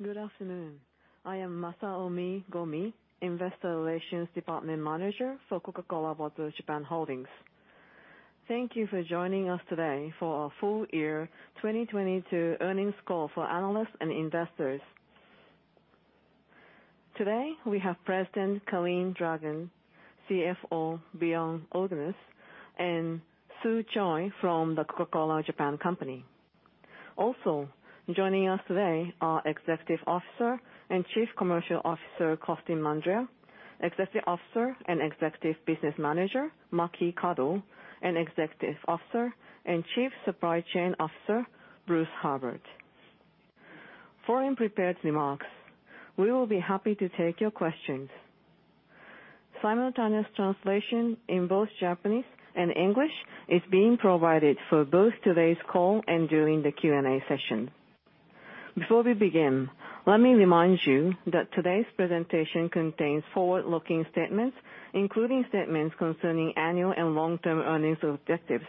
Good afternoon. I am Masaomi Gomi, Investor Relations Department Manager for Coca-Cola Bottlers Japan Holdings. Thank you for joining us today for our full year 2022 earnings call for analysts and investors. Today, we have President Calin Dragan, CFO Bjorn Ulgenes, and Su Choi from The Coca-Cola Company. Also joining us today are Executive Officer and Chief Commercial Officer Costel Mandrea, Executive Officer and Executive Business Manager Maki Kano, and Executive Officer and Chief Supply Chain Officer Bruce Herbert. Following prepared remarks, we will be happy to take your questions. Simultaneous translation in both Japanese and English is being provided for both today's call and during the Q&A session. Before we begin, let me remind you that today's presentation contains forward-looking statements, including statements concerning annual and long-term earnings objectives,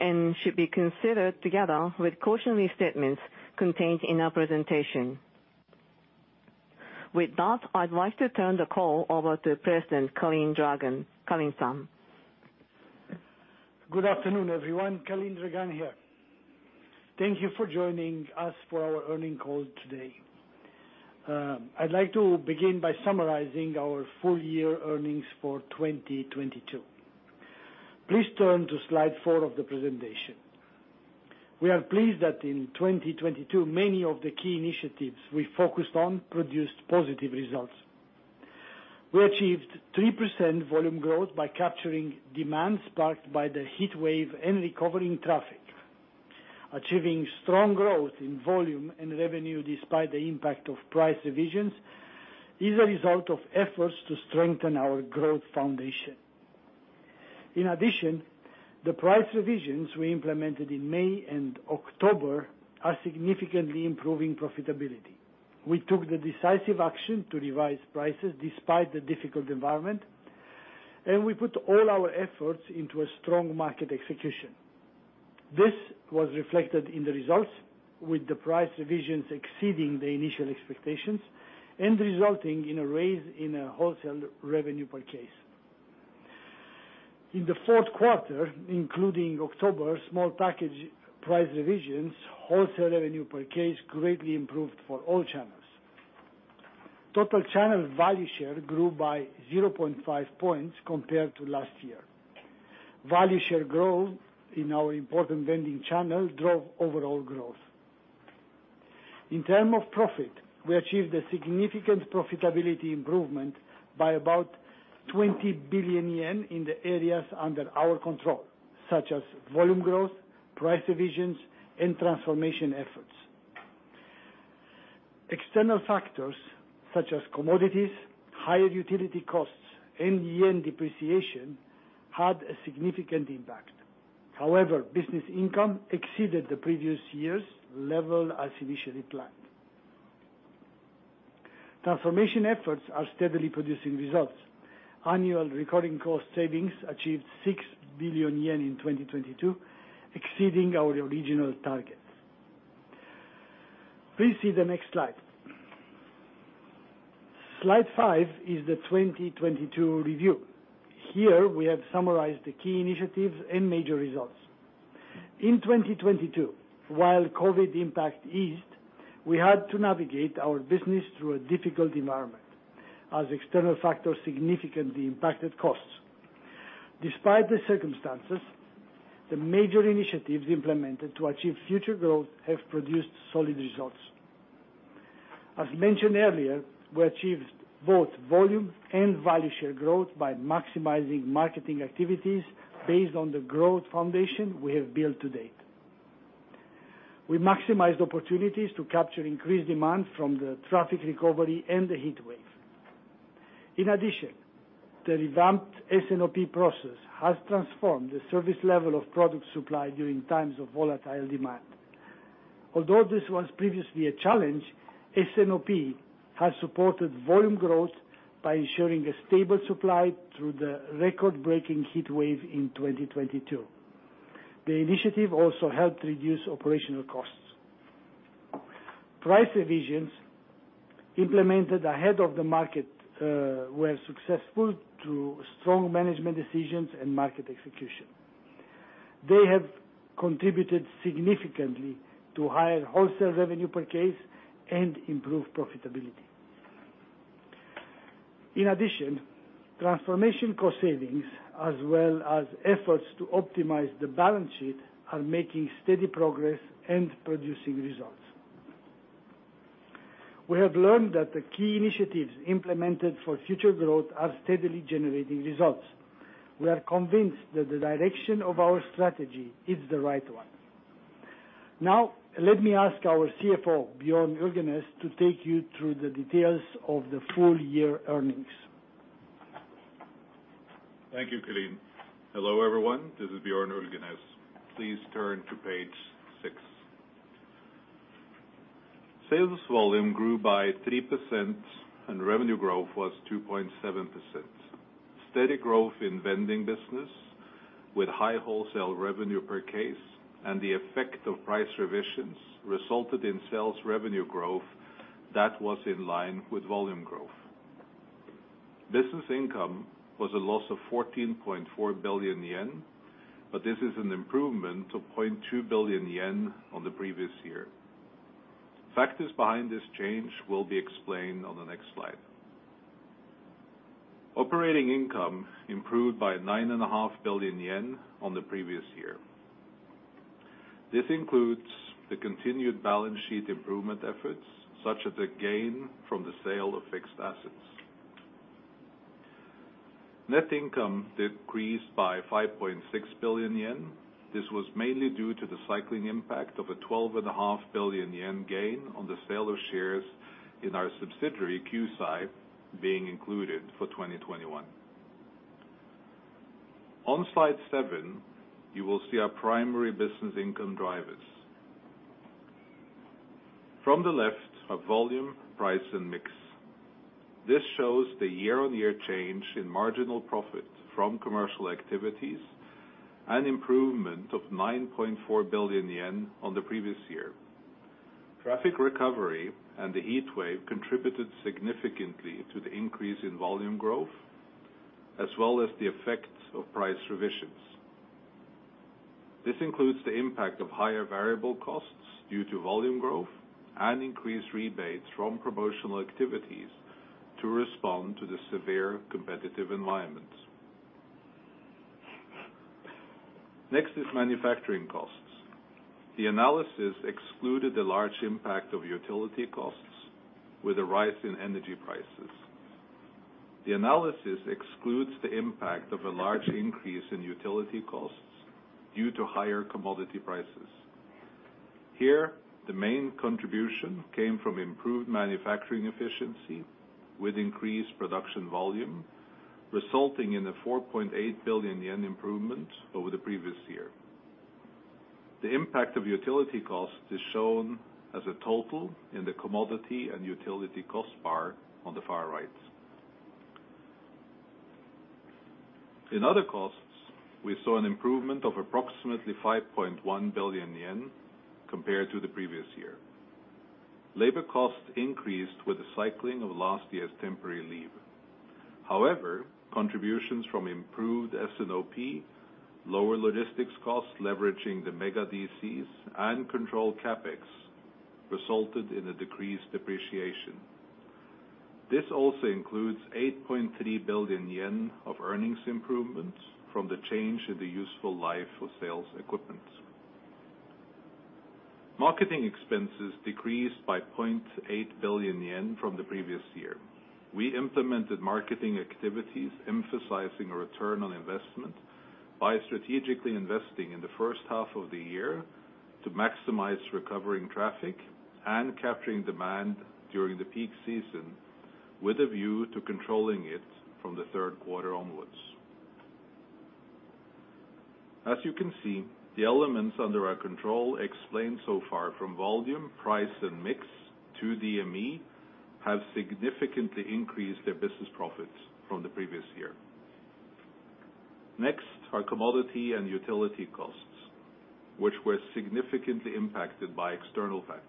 and should be considered together with cautionary statements contained in our presentation. With that, I'd like to turn the call over to President Calin Dragan. Calin-san. Good afternoon, everyone. Calin Dragan here. Thank you for joining us for our earnings call today. I'd like to begin by summarizing our full year earnings for 2022. Please turn to slide four of the presentation. We are pleased that in 2022 many of the key initiatives we focused on produced positive results. We achieved 3% volume growth by capturing demand sparked by the heatwave and recovering traffic. Achieving strong growth in volume and revenue despite the impact of price revisions, is a result of efforts to strengthen our growth foundation. In addition, the price revisions we implemented in May and October are significantly improving profitability. We took the decisive action to revise prices despite the difficult environment, and we put all our efforts into a strong market execution. This was reflected in the results, with the price revisions exceeding the initial expectations and resulting in a raise in a wholesale revenue per case. In the fourth quarter, including October small package price revisions, wholesale revenue per case greatly improved for all channels. Total channel value share grew by 0.5 points compared to last year. Value share growth in our important vending channel drove overall growth. In term of profit, we achieved a significant profitability improvement by about 20 billion yen in the areas under our control, such as volume growth, price revisions, and transformation efforts. External factors such as commodities, higher utility costs, and yen depreciation had a significant impact. However, business income exceeded the previous year's level as initially planned. Transformation efforts are steadily producing results. Annual recurring cost savings achieved 6 billion yen in 2022, exceeding our original targets. Please see the next slide. Slide five is the 2022 review. Here, we have summarized the key initiatives and major results. In 2022, while COVID impact eased, we had to navigate our business through a difficult environment as external factors significantly impacted costs. Despite the circumstances, the major initiatives implemented to achieve future growth have produced solid results. As mentioned earlier, we achieved both volume and value share growth by maximizing marketing activities based on the growth foundation we have built to date. We maximized opportunities to capture increased demand from the traffic recovery and the heatwave. In addition, the revamped S&OP process has transformed the service level of product supply during times of volatile demand. Although this was previously a challenge, S&OP has supported volume growth by ensuring a stable supply through the record-breaking heatwave in 2022. The initiative also helped reduce operational costs. Price revisions implemented ahead of the market were successful through strong management decisions and market execution. They have contributed significantly to higher wholesale revenue per case and improved profitability. Transformation cost savings as well as efforts to optimize the balance sheet are making steady progress and producing results. We have learned that the key initiatives implemented for future growth are steadily generating results. We are convinced that the direction of our strategy is the right one. Let me ask our CFO, Bjorn Ulgenes, to take you through the details of the full year earnings. Thank you, Calin. Hello, everyone. This is Bjorn Ulgenes. Please turn to page six. Sales volume grew by 3% and revenue growth was 2.7%. Steady growth in vending business with high wholesale revenue per case and the effect of price revisions resulted in sales revenue growth that was in line with volume growth. Business income was a loss of 14.4 billion yen, but this is an improvement of 0.2 billion yen on the previous year. Factors behind this change will be explained on the next slide. Operating income improved by 9.5 billion yen on the previous year. This includes the continued balance sheet improvement efforts, such as the gain from the sale of fixed assets. Net income decreased by 5.6 billion yen. This was mainly due to the cycling impact of a twelve and a half billion yen gain on the sale of shares in our subsidiary, Q'sai, being included for 2021. On slide seven, you will see our primary business income drivers. From the left are volume, price, and mix. This shows the year-on-year change in marginal profit from commercial activities an improvement of 9.4 billion yen on the previous year. Traffic recovery and the heatwave contributed significantly to the increase in volume growth, as well as the effects of price revisions. This includes the impact of higher variable costs due to volume growth and increased rebates from promotional activities to respond to the severe competitive environment. Next is manufacturing costs. The analysis excluded the large impact of utility costs with a rise in energy prices. The analysis excludes the impact of a large increase in utility costs due to higher commodity prices. Here, the main contribution came from improved manufacturing efficiency with increased production volume, resulting in a 4.8 billion yen improvement over the previous year. The impact of utility costs is shown as a total in the commodity and utility cost bar on the far right. In other costs, we saw an improvement of approximately 5.1 billion yen compared to the previous year. Labor costs increased with the cycling of last year's temporary leave. However, contributions from improved S&OP, lower logistics costs, leveraging the mega DCs, and controlled CapEx resulted in a decreased depreciation. This also includes 8.3 billion yen of earnings improvements from the change in the useful life of sales equipment. Marketing Expenses decreased by 0.8 billion yen from the previous year. We implemented marketing activities emphasizing a return on investment by strategically investing in the first half of the year to maximize recovering traffic and capturing demand during the peak season with a view to controlling it from the third quarter onwards. As you can see, the elements under our control explained so far from volume, price, and mix to the ME have significantly increased their business profits from the previous year. Our commodity and utility costs, which were significantly impacted by external factors.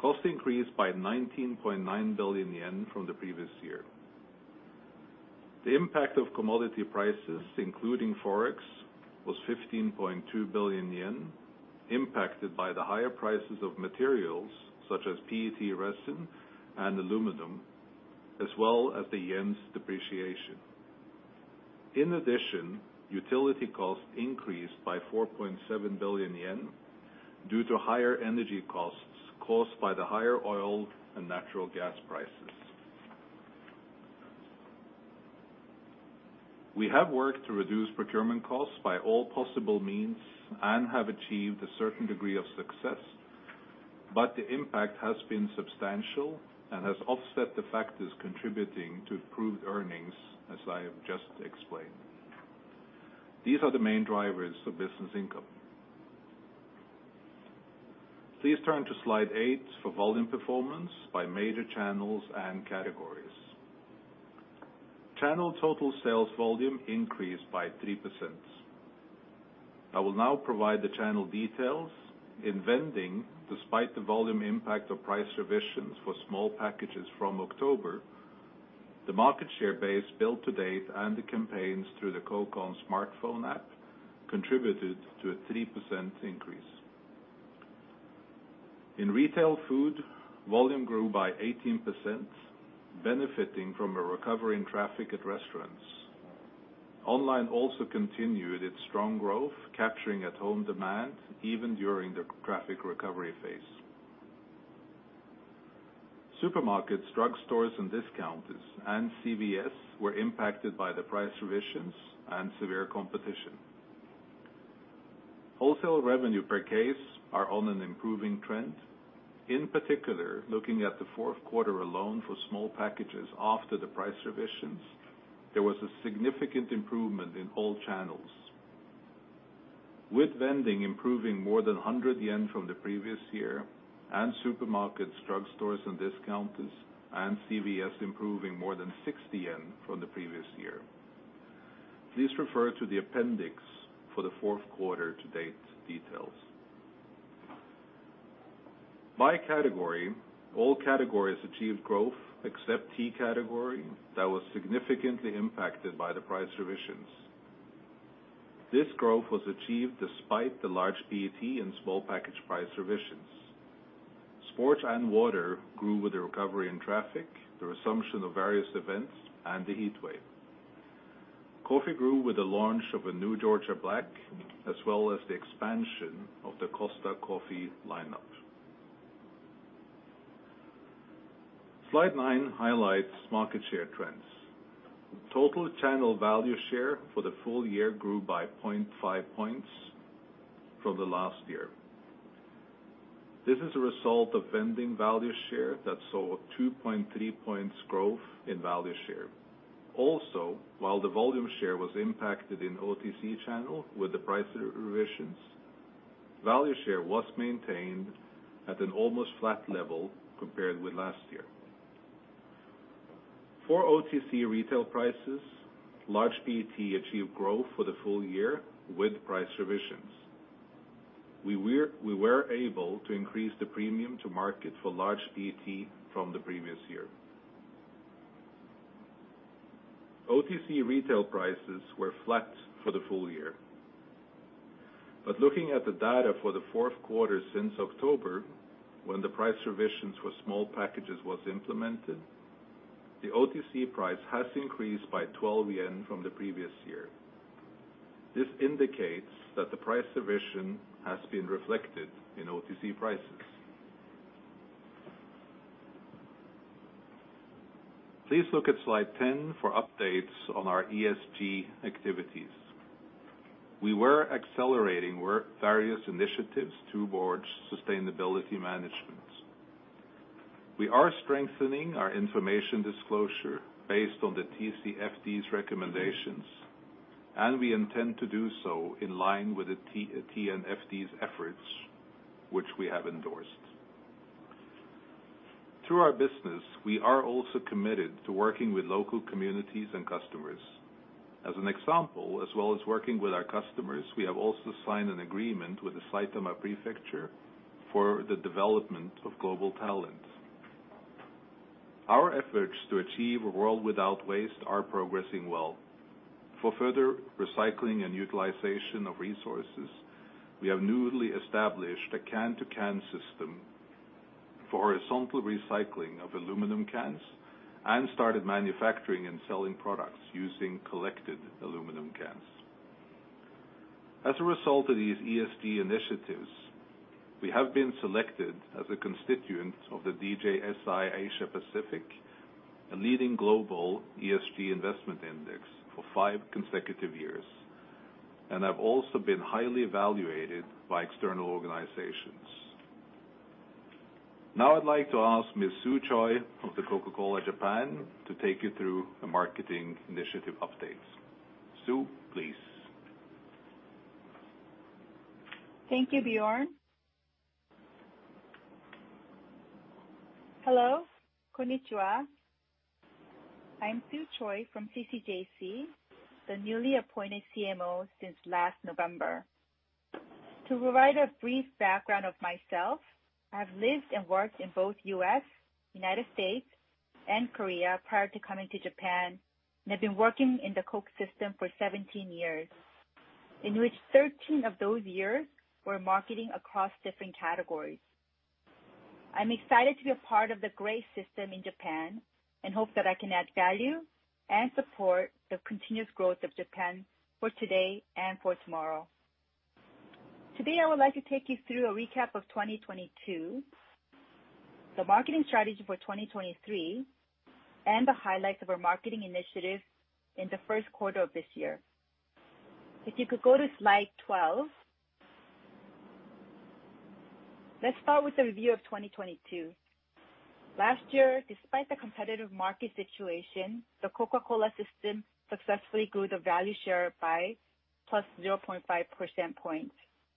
Costs increased by 19.9 billion yen from the previous year. The impact of commodity prices, including Forex, was 15.2 billion yen, impacted by the higher prices of materials such as PET resin and aluminum, as well as the yen's depreciation. Utility costs increased by 4.7 billion yen due to higher energy costs caused by the higher oil and natural gas prices. We have worked to reduce procurement costs by all possible means and have achieved a certain degree of success, but the impact has been substantial and has offset the factors contributing to improved earnings, as I have just explained. These are the main drivers of business income. Please turn to slide eight for volume performance by major channels and categories. Channel total sales volume increased by 3%. I will now provide the channel details. In vending, despite the volume impact of price revisions for small packages from October, the market share base built to date and the campaigns through the Coke ON smartphone app contributed to a 3% increase. In retail food, volume grew by 18%, benefiting from a recovery in traffic at restaurants. Online also continued its strong growth, capturing at-home demand even during the traffic recovery phase. Supermarkets, drugstores, and discounters and CVS were impacted by the price revisions and severe competition. Wholesale revenue per case are on an improving trend. In particular, looking at the fourth quarter alone for small packages after the price revisions, there was a significant improvement in all channels. With vending improving more than 100 yen from the previous year, and supermarkets, drugstores, and discounters, and CVS improving more than 60 yen from the previous year. Please refer to the appendix for the fourth quarter to date details. By category, all categories achieved growth except tea category, that was significantly impacted by the price revisions. This growth was achieved despite the large PET and small package price revisions. Sports and water grew with the recovery in traffic, the resumption of various events, and the heat wave. Coffee grew with the launch of a new Georgia The Black, as well as the expansion of the Costa Coffee lineup. Slide nine highlights market share trends. Total channel value share for the full year grew by 0.5 points from the last year. This is a result of vending value share that saw 2.3 points growth in value share. Also, while the volume share was impacted in OTC channel with the price revisions, value share was maintained at an almost flat level compared with last year. For OTC retail prices, large PET achieved growth for the full year with price revisions. We were able to increase the premium to market for large PET from the previous year. OTC retail prices were flat for the full year. Looking at the data for the fourth quarter since October, when the price revisions for small packages was implemented, the OTC price has increased by 12 yen from the previous year. This indicates that the price revision has been reflected in OTC prices. Please look at slide 10 for updates on our ESG activities. We were accelerating work various initiatives towards sustainability management. We are strengthening our information disclosure based on the TCFD's recommendations, and we intend to do so in line with the TNFD's efforts, which we have endorsed. Through our business, we are also committed to working with local communities and customers. As an example, as well as working with our customers, we have also signed an agreement with the Saitama Prefecture for the development of global talent. Our efforts to achieve a world without waste are progressing well. For further recycling and utilization of resources, we have newly established a CAN to CAN system for horizontal recycling of aluminum cans and started manufacturing and selling products using collected aluminum cans. As a result of these ESG initiatives, we have been selected as a constituent of the DJSI Asia Pacific, a leading global ESG investment index, for five consecutive years, and have also been highly evaluated by external organizations. I'd like to ask Ms. Su Choi of the Coca-Cola Japan to take you through the marketing initiative updates. Su, please. Thank you, Bjorn. Hello, konnichiwa. I'm Su Choi from CCJC, the newly appointed CMO since last November. To provide a brief background of myself, I have lived and worked in both U.S., United States, and Korea prior to coming to Japan. I've been working in the Coke system for 17 years, in which 13 of those years were marketing across different categories. I'm excited to be a part of the great system in Japan, and hope that I can add value and support the continuous growth of Japan for today and for tomorrow. Today, I would like to take you through a recap of 2022, the marketing strategy for 2023, and the highlights of our marketing initiatives in the first quarter of this year. If you could go to slide 12. Let's start with the review of 2022. Last year, despite the competitive market situation, the Coca-Cola system successfully grew the value share by +0.5 percentage points.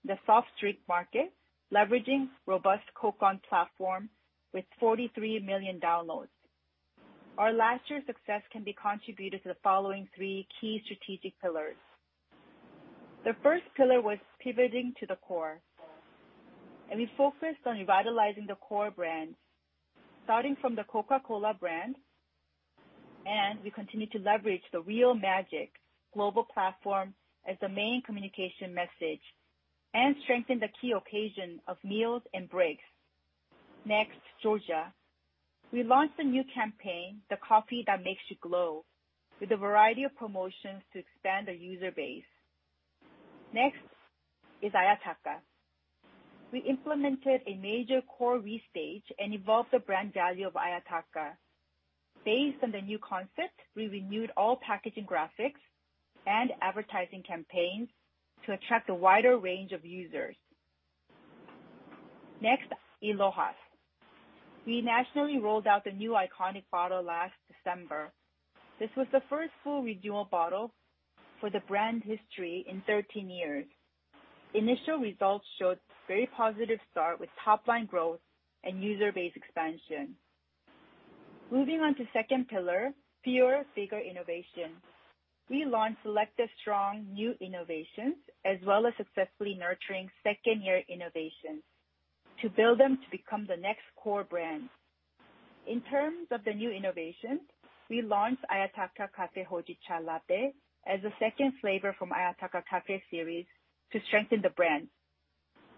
The soft drink market leveraging robust Coke ON platform with 43 million downloads. Our last year's success can be contributed to the following three key strategic pillars. The first pillar was pivoting to the core, and we focused on revitalizing the core brands. Starting from the Coca-Cola brand, and we continue to leverage the Real Magic global platform as the main communication message and strengthen the key occasion of meals and breaks. Next, Georgia. We launched a new campaign, The Coffee That Makes You Glow, with a variety of promotions to expand our user base. Next is Ayataka. We implemented a major core restage and evolved the brand value of Ayataka. Based on the new concept, we renewed all packaging graphics and advertising campaigns to attract a wider range of users. Next, I LOHAS. We nationally rolled out the new iconic bottle last December. This was the first full renewal bottle for the brand history in 13 years. Initial results showed very positive start with top line growth and user base expansion. Moving on to second pillar, fewer, bigger innovation. We launched selective, strong new innovations as well as successfully nurturing second-year innovations to build them to become the next core brand. In terms of the new innovation, we launched Ayataka Cafe Hojicha Latte as a second flavor from Ayataka Cafe series to strengthen the brand.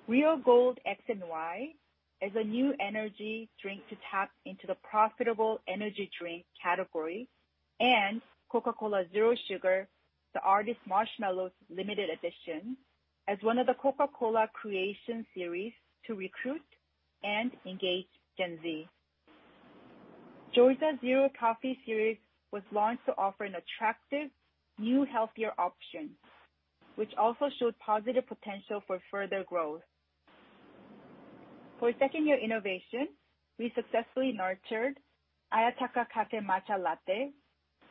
Real Gold X and Y as a new energy drink to tap into the profitable energy drink category, and Coca-Cola Zero Sugar, The Artist Marshmello's Limited Edition, as one of the Coca-Cola Creations series to recruit and engage Gen Z. Georgia Zero Coffee Series was launched to offer an attractive, new, healthier option, which also showed positive potential for further growth. For second-year innovation, we successfully nurtured Ayataka Cafe Matcha Latte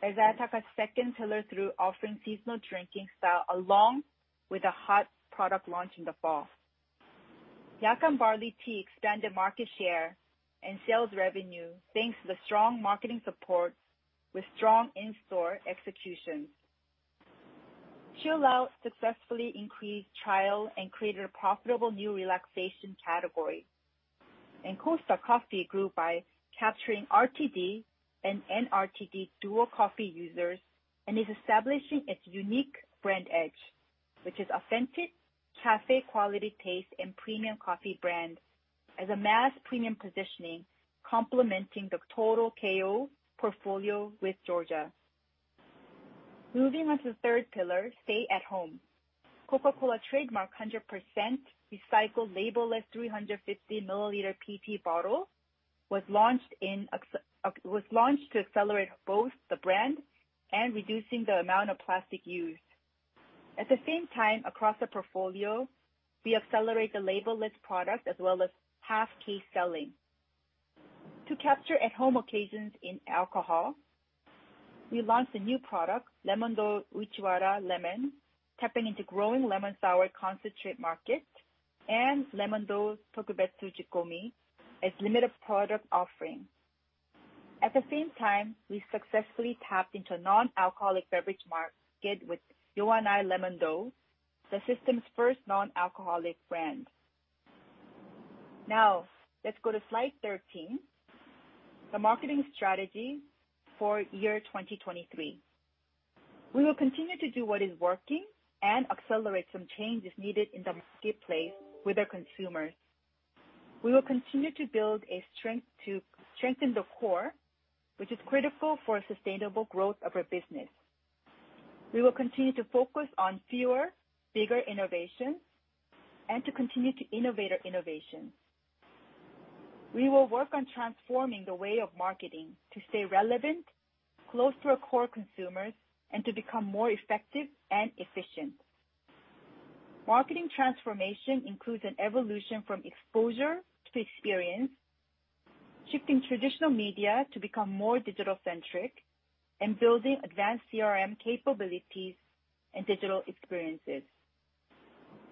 as Ayataka's second pillar through offering seasonal drinking style along with a hot product launch in the fall. Yacon Barley Tea expanded market share and sales revenue, thanks to the strong marketing support with strong in-store executions. CHILL OUT successfully increased trial and created a profitable new relaxation category. Costa Coffee grew by capturing RTD and NRTD dual coffee users, and is establishing its unique brand edge, which is authentic cafe quality taste and premium coffee brand as a mass premium positioning, complementing the total KO portfolio with Georgia. Moving on to the third pillar, stay at home. Coca-Cola trademark 100% recycled label less 350 milliliter PP bottle was launched to accelerate both the brand and reducing the amount of plastic used. At the same time, across the portfolio, we accelerate the label less product as well as half case selling. To capture at-home occasions in alcohol, we launched a new product, Lemon-Do Uchiwari Lemon, tapping into growing lemon sour concentrate market and Lemon-Do Tokubetsu Jukumi as limited product offering. At the same time, we successfully tapped into non-alcoholic beverage market with Yo and I Lemon Dou, the system's first non-alcoholic brand. Now, let's go to slide 13, the marketing strategy for year 2023. We will continue to do what is working and accelerate some changes needed in the marketplace with our consumers. We will continue to build a strength to strengthen the core, which is critical for sustainable growth of our business. We will continue to focus on fewer, bigger innovations and to continue to innovate our innovations. We will work on transforming the way of marketing to stay relevant, close to our core consumers, and to become more effective and efficient. Marketing transformation includes an evolution from exposure to experience, shifting traditional media to become more digital-centric, and building advanced CRM capabilities and digital experiences.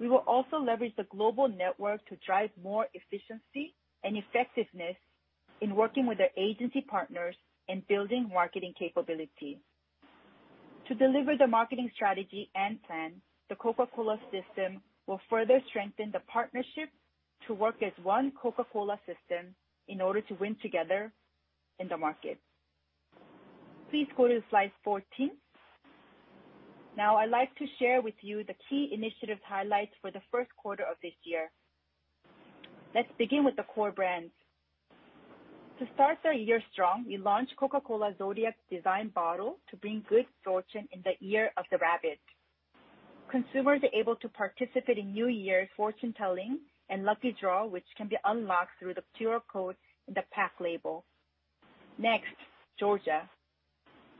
We will also leverage the global network to drive more efficiency and effectiveness in working with our agency partners in building marketing capabilities. To deliver the marketing strategy and plan, the Coca-Cola system will further strengthen the partnership to work as one Coca-Cola system in order to win together in the market. Please go to slide 14. Now, I'd like to share with you the key initiative highlights for the first quarter of this year. Let's begin with the core brands. To start our year strong, we launched Coca-Cola Zodiac design bottle to bring good fortune in the year of the rabbit. Consumers are able to participate in New Year's fortune-telling and lucky draw, which can be unlocked through the QR code in the pack label. Next, Georgia.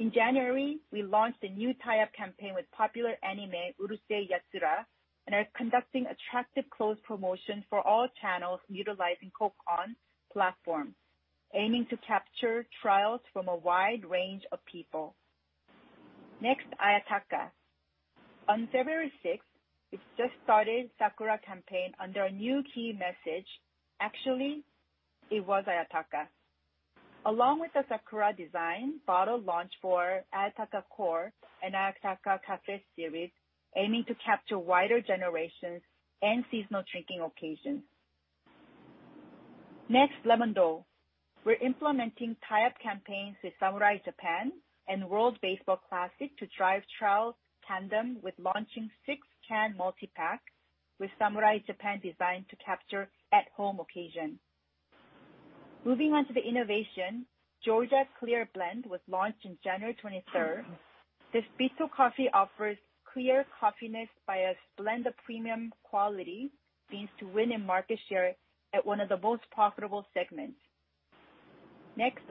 In January, we launched a new tie-up campaign with popular anime, Urusei Yatsura, and are conducting attractive closed promotion for all channels utilizing Coke ON platform, aiming to capture trials from a wide range of people. Next, Ayataka. On February 6th, we've just started Sakura campaign under a new key message. Actually, it was Ayataka. Along with the Sakura design, bottle launch for Ayataka Core and Ayataka Cafe series, aiming to capture wider generations and seasonal drinking occasions. Next, Lemon-Dou. We're implementing tie-up campaigns with Samurai Japan and World Baseball Classic to drive trials tandem with launching 6-can multi-pack with Samurai Japan design to capture at-home occasion. Moving on to the innovation, Georgia Clear Blend was launched in January 23rd. This bitter coffee offers clear coffeeness by a blend of premium quality beans to win in market share at one of the most profitable segments. Next,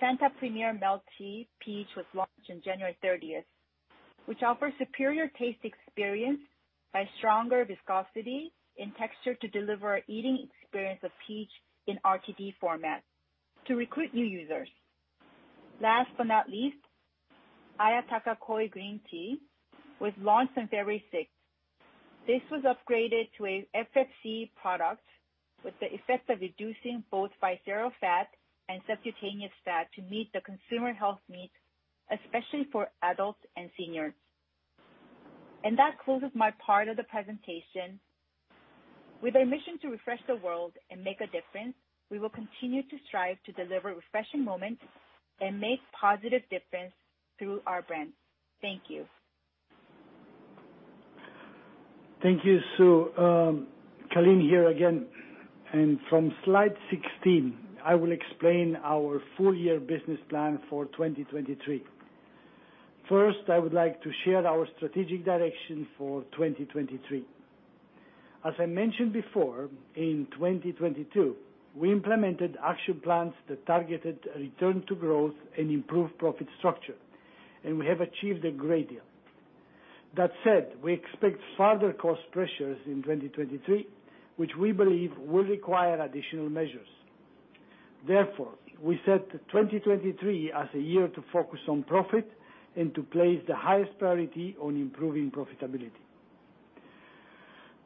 Fanta Premier Milk Tea Peach was launched in January 30th, which offers superior taste experience by stronger viscosity and texture to deliver eating experience of peach in RTD format to recruit new users. Last but not least, Ayataka Koi Green Tea was launched on February 6th. This was upgraded to a FFC product with the effect of reducing both visceral fat and subcutaneous fat to meet the consumer health needs, especially for adults and seniors. That closes my part of the presentation. With our mission to refresh the world and make a difference, we will continue to strive to deliver refreshing moments and make positive difference through our brands. Thank you. Thank you, Su. Calin here again, From slide 16, I will explain our full year business plan for 2023. First, I would like to share our strategic direction for 2023. As I mentioned before, in 2022, we implemented action plans that targeted a return to growth and improved profit structure, We have achieved a great deal. That said, we expect further cost pressures in 2023, which we believe will require additional measures. We set 2023 as a year to focus on profit and to place the highest priority on improving profitability.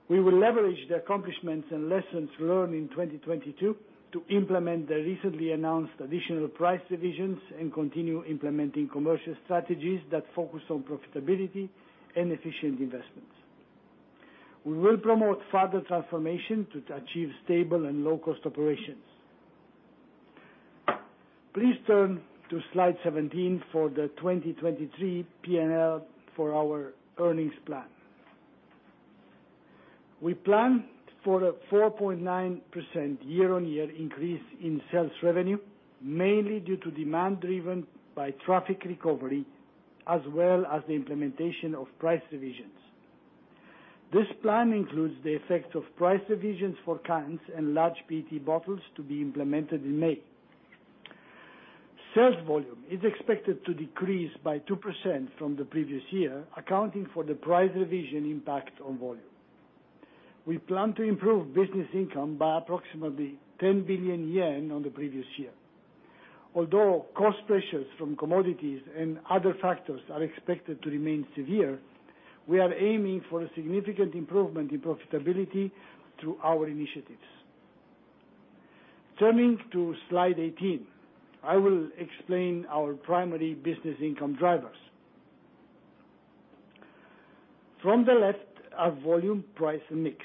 We will leverage the accomplishments and lessons learned in 2022 to implement the recently announced additional price revisions and continue implementing commercial strategies that focus on profitability and efficient investments. We will promote further transformation to achieve stable and low-cost operations. Please turn to slide 17 for the 2023 P&L for our earnings plan. We plan for a 4.9% year-on-year increase in sales revenue, mainly due to demand driven by traffic recovery, as well as the implementation of price revisions. This plan includes the effect of price revisions for cans and large PT bottles to be implemented in May. Sales volume is expected to decrease by 2% from the previous year, accounting for the price revision impact on volume. We plan to improve business income by approximately 10 billion yen on the previous year. Although cost pressures from commodities and other factors are expected to remain severe, we are aiming for a significant improvement in profitability through our initiatives. Turning to slide 18, I will explain our primary business income drivers. From the left are volume, price, and mix.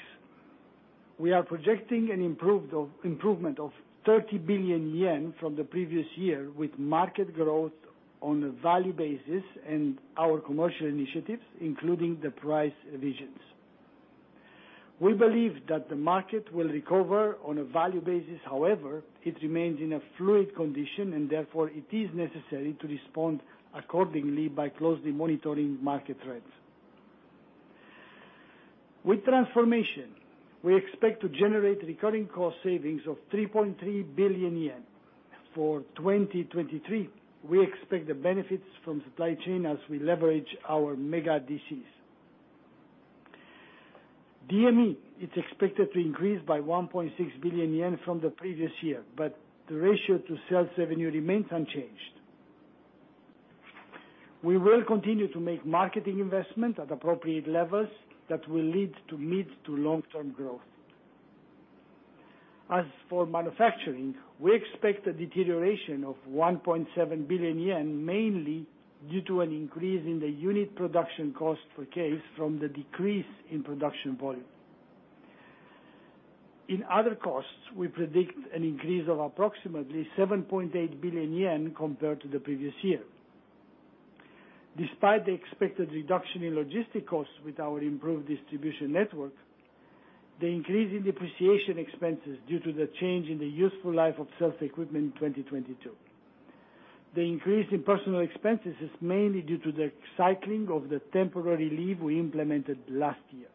We are projecting an improvement of 30 billion yen from the previous year with market growth on a value basis and our commercial initiatives, including the price revisions. We believe that the market will recover on a value basis, however, it remains in a fluid condition. Therefore, it is necessary to respond accordingly by closely monitoring market trends. With transformation, we expect to generate recurring cost savings of 3.3 billion yen. For 2023, we expect the benefits from supply chain as we leverage our mega DCs. DME is expected to increase by 1.6 billion yen from the previous year, but the ratio to sales revenue remains unchanged. We will continue to make marketing investment at appropriate levels that will lead to mid- to long-term growth. As for manufacturing, we expect a deterioration of 1.7 billion yen, mainly due to an increase in the unit production cost per case from the decrease in production volume. In other costs, we predict an increase of approximately 7.8 billion yen compared to the previous year. Despite the expected reduction in logistic costs with our improved distribution network, the increase in depreciation expenses due to the change in the useful life of sales equipment in 2022. The increase in personal expenses is mainly due to the cycling of the temporary leave we implemented last year.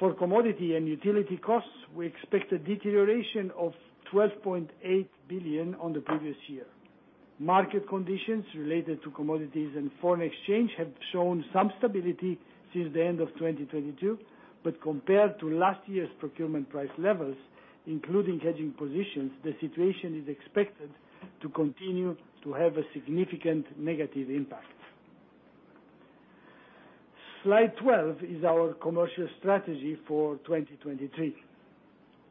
For commodity and utility costs, we expect a deterioration of 12.8 billion on the previous year. Market conditions related to commodities and foreign exchange have shown some stability since the end of 2022, but compared to last year's procurement price levels, including hedging positions, the situation is expected to continue to have a significant negative impact. Slide 12 is our commercial strategy for 2023.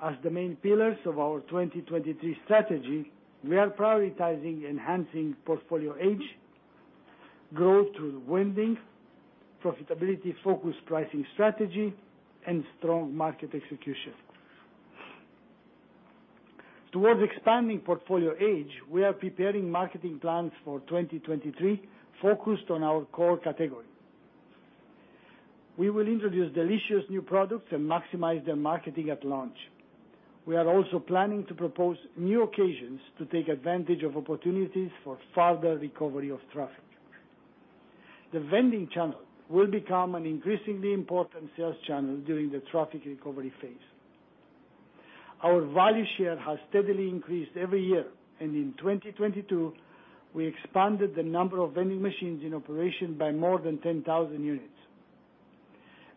As the main pillars of our 2023 strategy, we are prioritizing enhancing portfolio edge, growth through winning, profitability-focused pricing strategy, and strong market execution. Towards expanding portfolio edge, we are preparing marketing plans for 2023 focused on our core category. We will introduce delicious new products and maximize their marketing at launch. We are also planning to propose new occasions to take advantage of opportunities for further recovery of traffic. The vending channel will become an increasingly important sales channel during the traffic recovery phase. Our value share has steadily increased every year, and in 2022, we expanded the number of vending machines in operation by more than 10,000 units.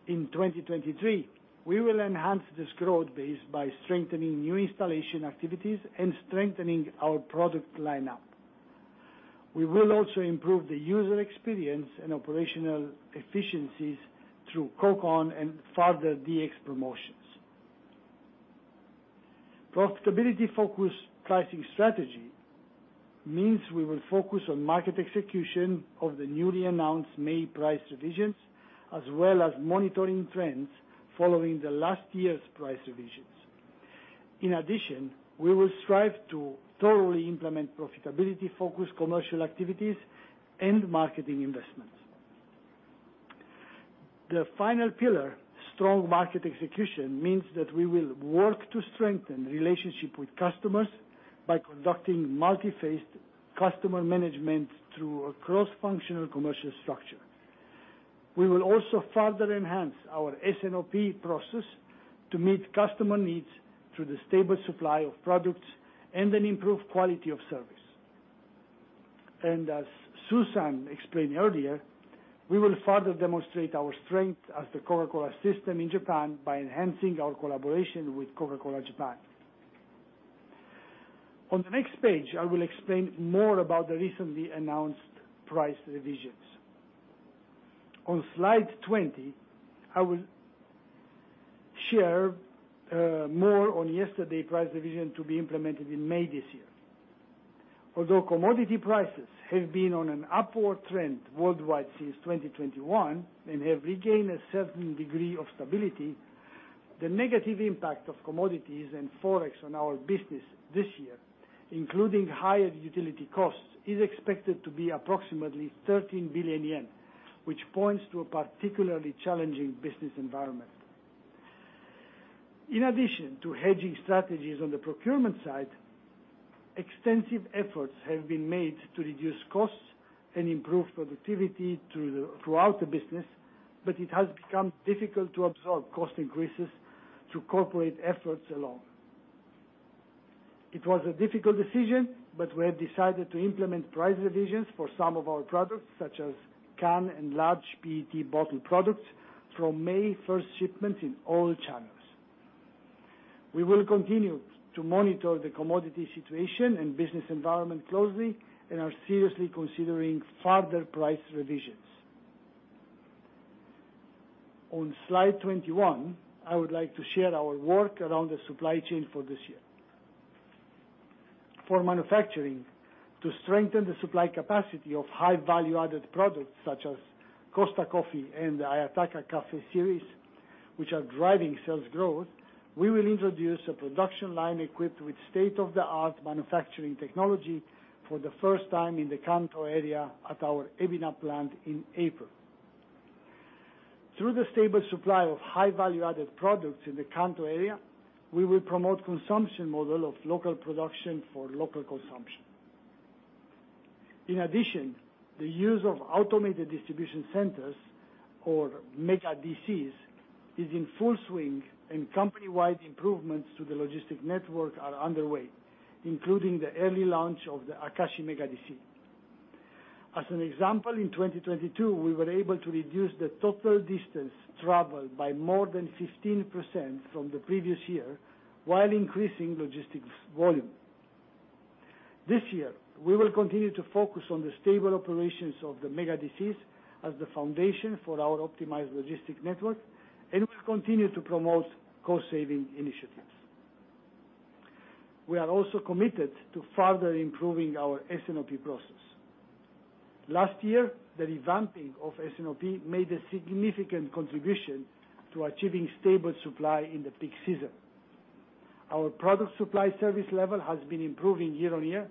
In 2023, we will enhance this growth base by strengthening new installation activities and strengthening our product lineup. We will also improve the user experience and operational efficiencies through COCON and further DX promotions. Profitability-focused pricing strategy means we will focus on market execution of the newly announced May price revisions, as well as monitoring trends following last year's price revisions. In addition, we will strive to thoroughly implement profitability-focused commercial activities and marketing investments. The final pillar, strong market execution, means that we will work to strengthen relationship with customers by conducting multi-phased customer management through a cross-functional commercial structure. We will also further enhance our S&OP process to meet customer needs through the stable supply of products and an improved quality of service. As Su-san explained earlier, we will further demonstrate our strength as The Coca-Cola Company system in Japan by enhancing our collaboration with Coca-Cola Japan. On the next page, I will explain more about the recently announced price revisions. On slide 20, I will share more on yesterday price revision to be implemented in May this year. Although commodity prices have been on an upward trend worldwide since 2021 and have regained a certain degree of stability, the negative impact of commodities and Forex on our business this year, including higher utility costs, is expected to be approximately 13 billion yen, which points to a particularly challenging business environment. In addition to hedging strategies on the procurement side, extensive efforts have been made to reduce costs and improve productivity throughout the business. It has become difficult to absorb cost increases through corporate efforts alone. It was a difficult decision. We have decided to implement price revisions for some of our products, such as can and large PET bottle products from May first shipment in all channels. We will continue to monitor the commodity situation and business environment closely and are seriously considering further price revisions. On slide 21, I would like to share our work around the supply chain for this year. For manufacturing to strengthen the supply capacity of high value-added products such as Costa Coffee and the Ayataka Cafe series, which are driving sales growth, we will introduce a production line equipped with state-of-the-art manufacturing technology for the first time in the Kanto area at our Ebina plant in April. Through the stable supply of high value-added products in the Kanto area, we will promote consumption model of local production for local consumption. In addition, the use of automated distribution centers or mega DCs is in full swing, and company-wide improvements to the logistic network are underway, including the early launch of the Akashi mega DC. As an example, in 2022, we were able to reduce the total distance traveled by more than 15% from the previous year, while increasing logistics volume. This year, we will continue to focus on the stable operations of the mega DCs as the foundation for our optimized logistic network, we will continue to promote cost-saving initiatives. We are also committed to further improving our S&OP process. Last year, the revamping of S&OP made a significant contribution to achieving stable supply in the peak season. Our product supply service level has been improving year-over-year,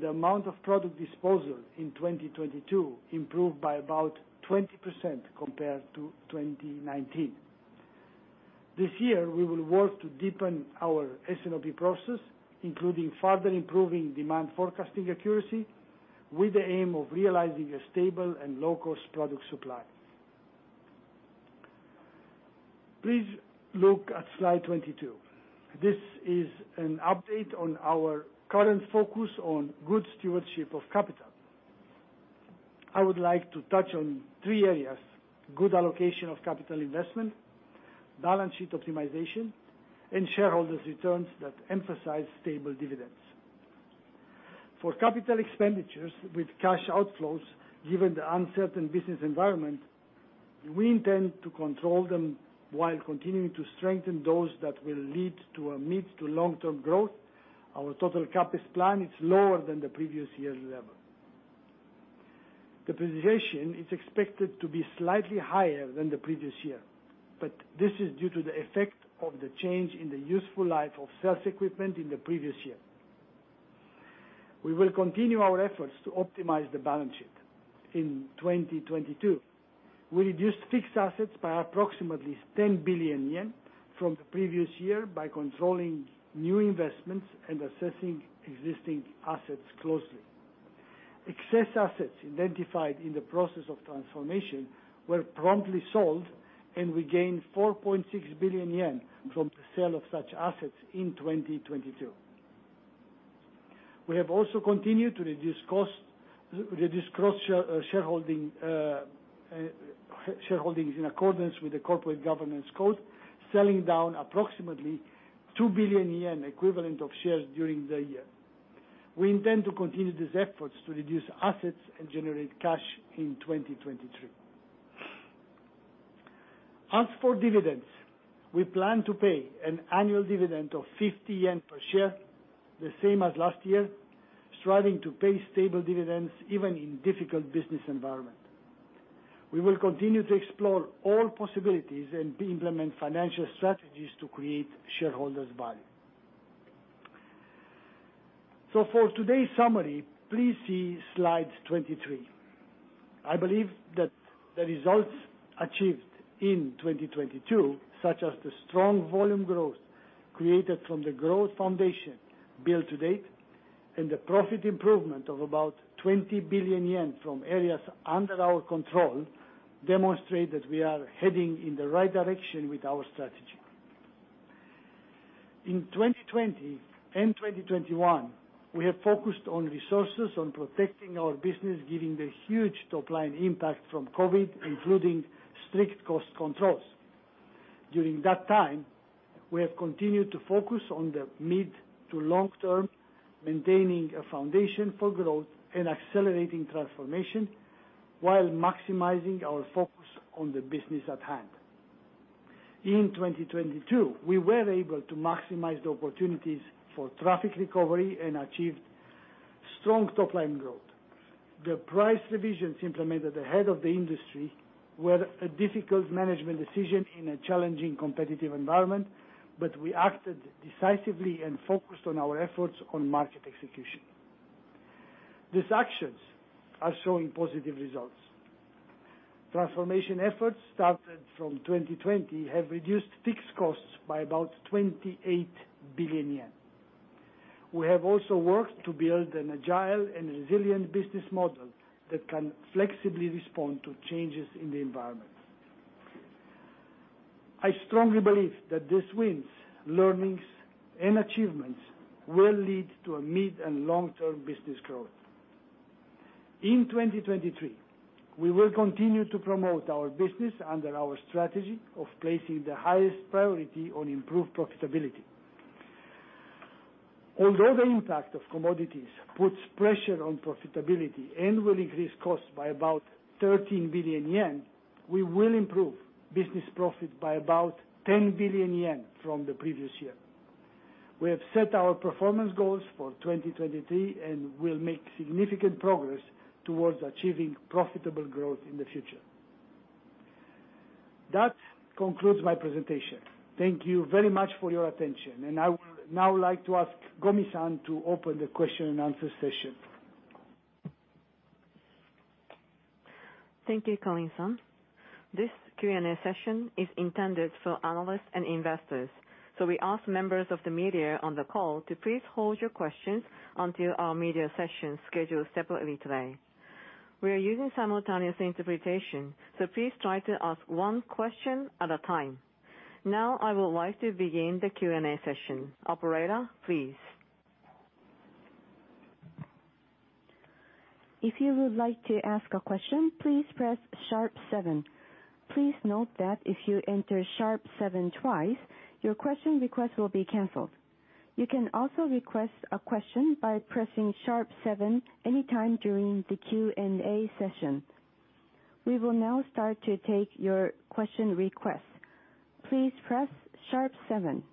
the amount of product disposal in 2022 improved by about 20% compared to 2019. This year, we will work to deepen our S&OP process, including further improving demand forecasting accuracy with the aim of realizing a stable and low-cost product supply. Please look at slide 22. This is an update on our current focus on good stewardship of capital. I would like to touch on three areas: good allocation of capital investment, balance sheet optimization, and shareholders' returns that emphasize stable dividends. For capital expenditures with cash outflows, given the uncertain business environment, we intend to control them while continuing to strengthen those that will lead to a mid to long-term growth. Our total CapEx plan is lower than the previous year's level. Depreciation is expected to be slightly higher than the previous year, but this is due to the effect of the change in the useful life of sales equipment in the previous year. We will continue our efforts to optimize the balance sheet. In 2022, we reduced fixed assets by approximately 10 billion yen from the previous year by controlling new investments and assessing existing assets closely. Excess assets identified in the process of transformation were promptly sold, and we gained 4.6 billion yen from the sale of such assets in 2022. We have also continued to reduce cost, re-reduce cross shareholding in accordance with the Corporate Governance Code, selling down approximately 2 billion yen equivalent of shares during the year. We intend to continue these efforts to reduce assets and generate cash in 2023. As for dividends, we plan to pay an annual dividend of 50 yen per share, the same as last year, striving to pay stable dividends even in difficult business environment. We will continue to explore all possibilities and implement financial strategies to create shareholders value. For today's summary, please see slide 23. I believe that the results achieved in 2022, such as the strong volume growth created from the growth foundation built to date, and the profit improvement of about 20 billion yen from areas under our control, demonstrate that we are heading in the right direction with our strategy. In 2020 and 2021, we have focused on resources on protecting our business, given the huge top line impact from COVID, including strict cost controls. During that time, we have continued to focus on the mid to long term, maintaining a foundation for growth and accelerating transformation while maximizing our focus on the business at hand. In 2022, we were able to maximize the opportunities for traffic recovery and achieved strong top line growth. The price revisions implemented ahead of the industry were a difficult management decision in a challenging competitive environment. We acted decisively and focused on our efforts on market execution. These actions are showing positive results. Transformation efforts started from 2020 have reduced fixed costs by about 28 billion yen. We have also worked to build an agile and resilient business model that can flexibly respond to changes in the environment. I strongly believe that these wins, learnings, and achievements will lead to a mid and long-term business growth. In 2023, we will continue to promote our business under our strategy of placing the highest priority on improved profitability. The impact of commodities puts pressure on profitability and will increase costs by about 13 billion yen. We will improve business profit by about 10 billion yen from the previous year. We have set our performance goals for 2023 and will make significant progress towards achieving profitable growth in the future. That concludes my presentation. Thank you very much for your attention, and I will now like to ask Gomi-san to open the question and answer session. Thank you, Calin-san. This Q&A session is intended for analysts and investors. We ask members of the media on the call to please hold your questions until our media session scheduled separately today. We are using simultaneous interpretation, so please try to ask one question at a time. I would like to begin the Q&A session. Operator, please. If you would like to ask a question, please press sharp seven. Please note that if you enter sharp seven twice, your question request will be canceled. You can also request a question by pressing sharp seven any time during the Q&A session. We will now start to take your question requests. Please press sharp seven.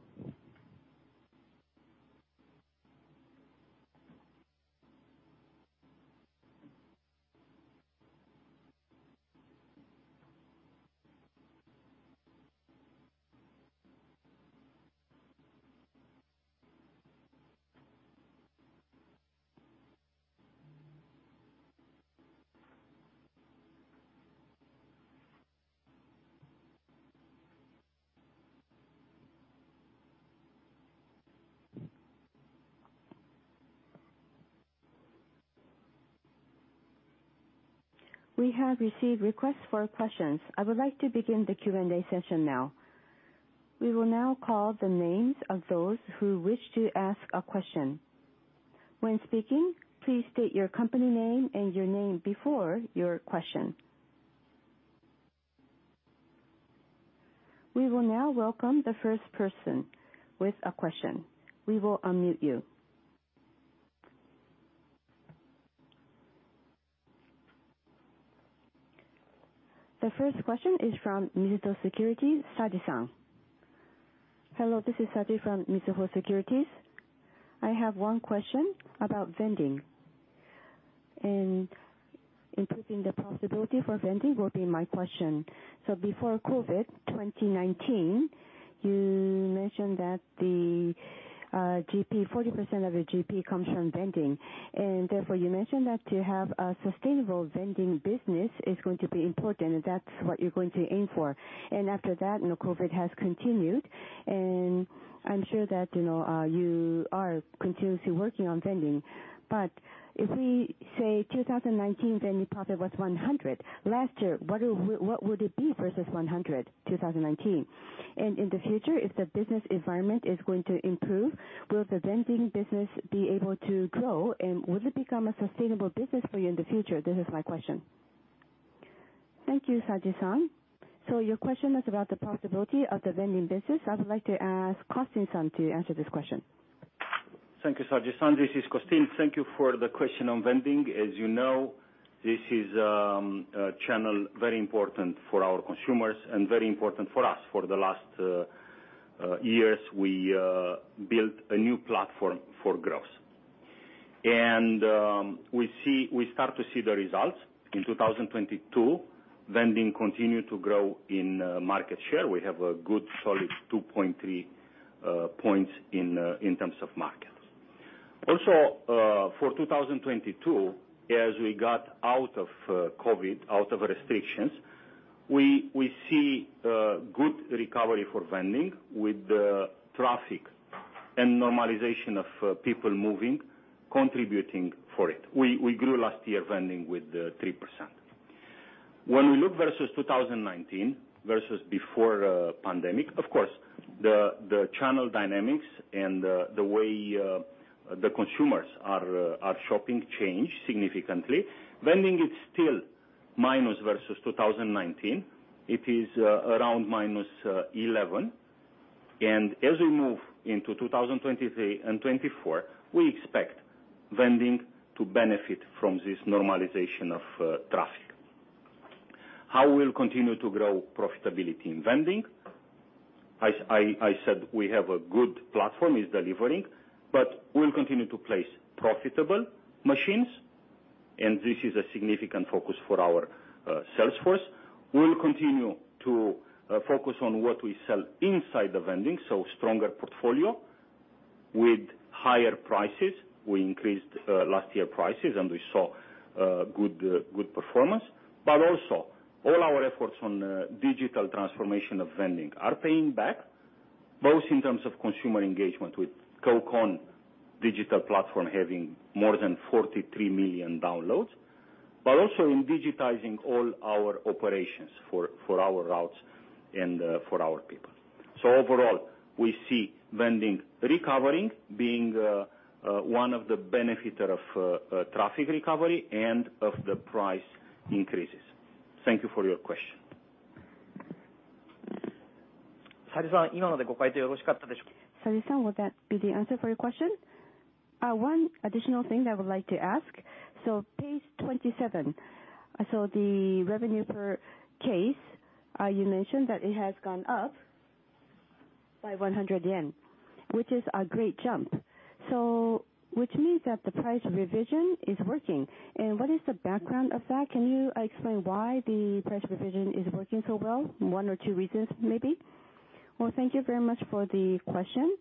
We have received requests for questions. I would like to begin the Q&A session now. We will now call the names of those who wish to ask a question. When speaking, please state your company name and your name before your question. We will now welcome the first person with a question. We will unmute you. The first question is from Mizuho Securities, Saji. Hello, this is Saji from Mizuho Securities. I have one question about vending and improving the possibility for vending will be my question. Before COVID, 2019, you mentioned that the GP, 40% of the GP comes from vending. Therefore, you mentioned that to have a sustainable vending business is going to be important, and that's what you're going to aim for. After that, you know, COVID has continued, and I'm sure that, you know, you are continuously working on vending. If we say 2019 vending profit was 100. Last year, what would it be versus 100, 2019? In the future, if the business environment is going to improve, will the vending business be able to grow, and will it become a sustainable business for you in the future? This is my question. Thank you, Saji-san. Your question was about the profitability of the vending business. I would like to ask Costel-san to answer this question. Thank you, Saji-san. This is Costel. Thank you for the question on vending. As you know, this is a channel very important for our consumers and very important for us. For the last years, we built a new platform for growth. We start to see the results in 2022. Vending continued to grow in market share. We have a good solid 2.3 points in terms of markets. Also, for 2022, as we got out of COVID, out of restrictions, we see good recovery for vending with the traffic and normalization of people moving, contributing for it. We grew last year vending with 3%. When we look versus 2019, versus before, pandemic, of course, the channel dynamics and the way the consumers are shopping changed significantly. Vending is still minus versus 2019. It is around minus 11. As we move into 2023 and 2024, we expect vending to benefit from this normalization of traffic. How we'll continue to grow profitability in vending, I said we have a good platform. It's delivering. We'll continue to place profitable machines, and this is a significant focus for our sales force. We'll continue to focus on what we sell inside the vending, so stronger portfolio with higher prices. We increased last year prices, and we saw good performance. Also, all our efforts on digital transformation of vending are paying back, both in terms of consumer engagement with COCON digital platform having more than 43 million downloads, but also in digitizing all our operations for our routes and for our people. Overall, we see vending recovering, being one of the benefiter of traffic recovery and of the price increases. Thank you for your question. Would that be the answer for your question? One additional thing that I would like to ask. Page 27. The revenue per case, you mentioned that it has gone up by 100 yen, which is a great jump, so which means that the price revision is working. What is the background of that? Can you explain why the price revision is working so well? One or two reasons maybe. Well, thank you very much for the question.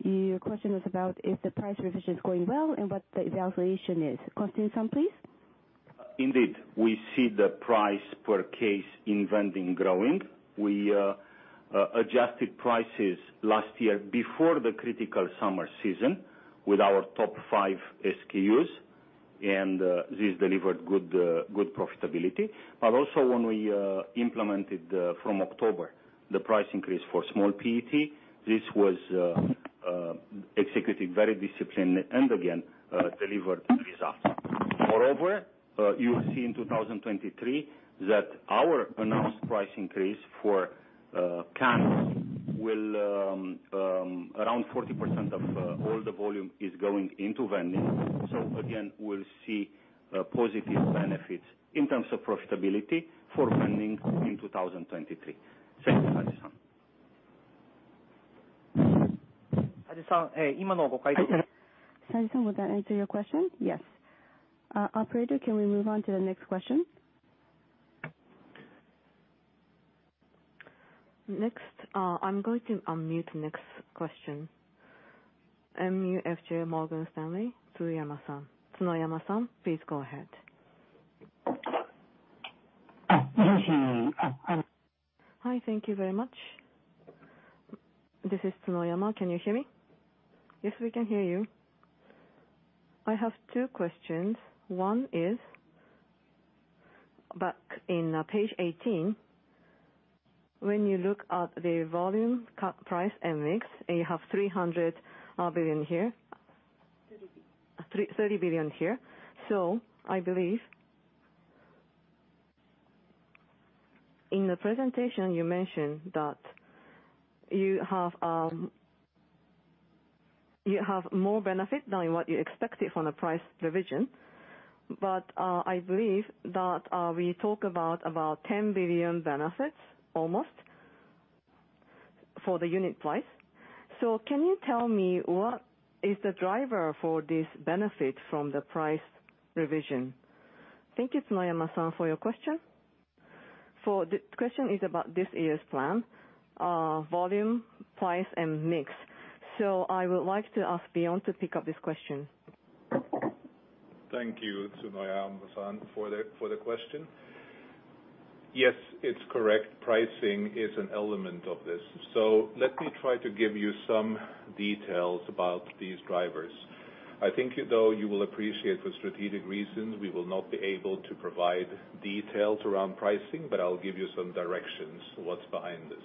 Your question was about if the price revision is going well and what the evaluation is. Costel-san, please. Indeed, we see the price per case in vending growing. We adjusted prices last year before the critical summer season with our top five SKUs, and this delivered good profitability. Also when we implemented from October the price increase for small PET, this was executed very disciplined and again delivered results. Moreover, you will see in 2023 that our announced price increase for cans will around 40% of all the volume is going into vending. Again, we'll see positive benefits in terms of profitability for vending in 2023. Thank you, Saji-san. Would that answer your question? Yes. Operator, can we move on to the next question? Next, I'm going to unmute next question. MUFJ Morgan Stanley, Tsunoyama-san. Tsunoyama-san, please go ahead. Hi. Thank you very much. This is Tsunoyama. Can you hear me? Yes, we can hear you. I have two questions. One is, back in page 18, when you look at the volume price and mix, you have 300 billion here. 30 billion. JPY 30 billion here. I believe, in the presentation you mentioned that you have more benefit than what you expected from the price revision. I believe that we talk about 10 billion benefits almost for the unit price. Can you tell me what is the driver for this benefit from the price revision? Thank you, Tsunoyama-san, for your question. The question is about this year's plan, volume, price, and mix. I would like to ask Bjorn to pick up this question. Thank you, Tsunoyama-san, for the question. Yes, it's correct. Pricing is an element of this. Let me try to give you some details about these drivers. I think you will appreciate for strategic reasons, we will not be able to provide details around pricing, but I will give you some directions what's behind this.